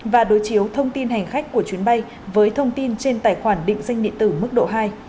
và đối chiếu thông tin hành khách của chuyến bay với thông tin trên tài khoản định danh điện tử mức độ hai